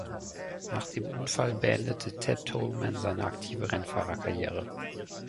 Nach dem Unfall beendete Ted Toleman seine aktive Rennfahrerkarriere.